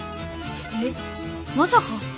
えっまさか。